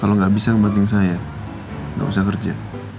kalau nggak bisa kepenting saya nggak usah kerja